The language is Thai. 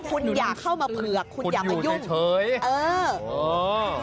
คุณอย่าเข้ามาเผือกคุณอย่ามายุ่งคุณอยู่ในเฉย